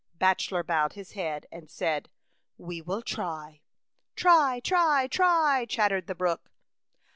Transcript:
Bachelor bowed his head and said, "We will try." " Try, try, try," chattered the brook.